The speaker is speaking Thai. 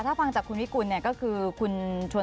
ถ้าฟังจากคุณวิกุลเนี่ยก็คือคุณชวน